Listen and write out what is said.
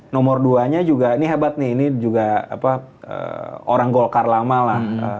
nomor duanya juga ini hebat nih ini juga orang golkar lama lah